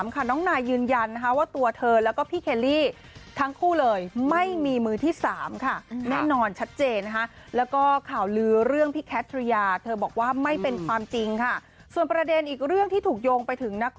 เพราะคุณยึนยันว่าพี่เขลลี่และน้องคนนี้ไม่มีมือที่๓ค่ะ